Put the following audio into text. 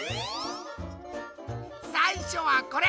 さいしょはこれ！